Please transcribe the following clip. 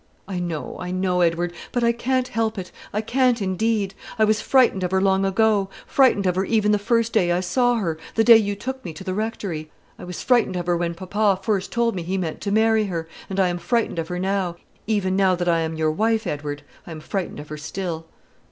"I know, I know, Edward; but I can't help it, I can't indeed; I was frightened of her long ago; frightened of her even the first day I saw her, the day you took me to the Rectory. I was frightened of her when papa first told me he meant to marry her; and I am frightened of her now; even now that I am your wife, Edward, I'm frightened of her still."